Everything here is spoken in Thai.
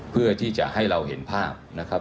เพื่อที่จะให้เราเห็นภาพนะครับ